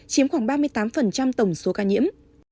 chiếm khoảng ba mươi tám tổng số ca nhiễm